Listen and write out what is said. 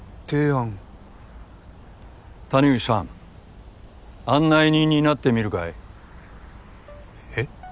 谷口さん案内人になってみるかい？え？